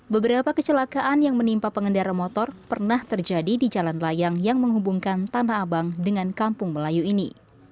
beberapa kecelakaan yang menimpa pengendara motor pernah terjadi di jalan layang yang menghubungkan tanah abang dengan kampung melayu ini